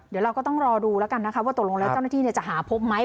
เดี๋ยวเราก็ต้องรอดูแล้วกันนะคะว่าตกลงแล้วเจ้าหน้าที่จะหาพบไหม